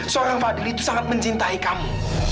seorang fadli itu sangat mencintai kamu